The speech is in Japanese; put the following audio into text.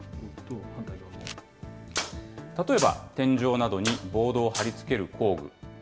例えば、天井などにボードを貼り付ける工具。